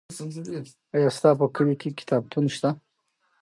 آیا ستا په کلي کې کتابتون شته؟